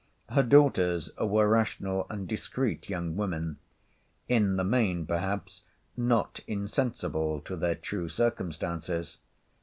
Her daughters were rational and discreet young women; in the main, perhaps, not insensible to their true circumstances.